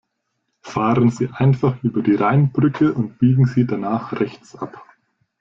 Fahren Sie einfach über die Rheinbrücke und biegen Sie danach rechts ab!